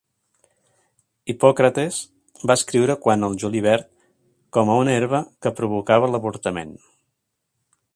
Hipòcrates va escriure quant al julivert com a una herba que provocava l'avortament.